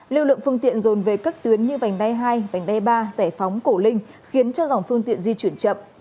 lưu lượng phương tiện dồn về các tuyến như vành đai hai vành đai ba giải phóng cổ linh khiến cho dòng phương tiện di chuyển chậm